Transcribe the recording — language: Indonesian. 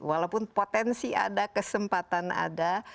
walaupun potensi ada kesempatan ada